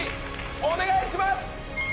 お願いします！